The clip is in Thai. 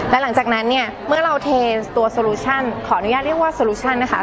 และหลังจากนั้นเนี่ยเมื่อเราเทตัวโซลูชั่นขออนุญาตเรียกว่าโซลูชั่นนะคะ